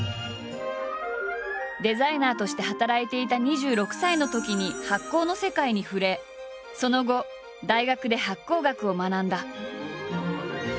デザイナーとして働いていた２６歳のときに発酵の世界に触れその後大学で発酵学を学んだ。